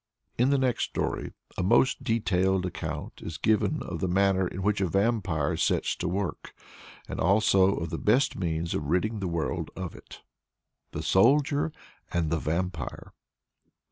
In the next story a most detailed account is given of the manner in which a Vampire sets to work, and also of the best means of ridding the world of it. THE SOLDIER AND THE VAMPIRE.